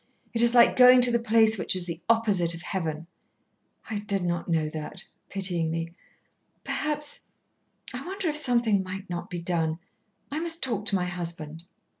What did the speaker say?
"It is like going to the place which is the opposite of Heaven." "I did not know that," pityingly. "Perhaps I wonder if something might not be done: I must talk to my husband."